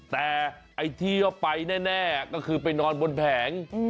แต่ไอ้ที่ว่าไปแน่ก็คือไปนอนบนแผง